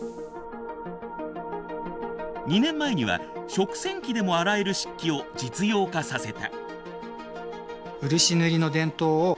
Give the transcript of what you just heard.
２年前には食洗機でも洗える漆器を実用化させた。